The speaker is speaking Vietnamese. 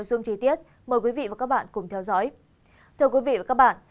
xin chào quý vị và các bạn